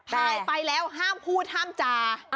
ถ่ายไปแล้วห้ามพูดห้ามจา